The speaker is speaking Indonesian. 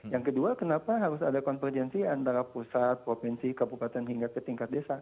yang kedua kenapa harus ada konvergensi antara pusat provinsi kabupaten hingga ke tingkat desa